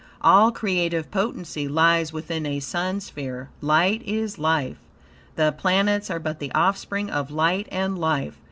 All creative potency lies within a Sun sphere. Light is life. The planets are but the offspring of light and life.